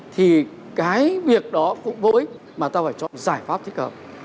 thì cái việc đó cũng với mà ta phải chọn giải pháp thích hợp